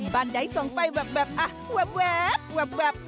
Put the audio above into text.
บานใดส่งไปแวบอะแวบแวบ